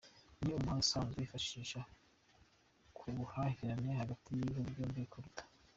Ni umuhanda usanzwe wifashishwa ku buhahirane hagati y’ibihugu byombi kuruta.